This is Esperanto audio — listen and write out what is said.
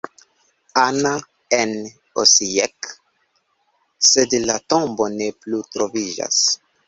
Ana" en Osijek, sed la tombo ne plu troviĝas.